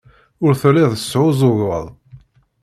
Ur telliḍ tesɛuẓẓugeḍ.